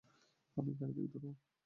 আমার গাড়ি থেকে দূর হ।